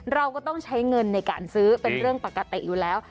เราก็ต้องใช้เงินในการซื้อเป็นเรื่องปกติอยู่แล้ว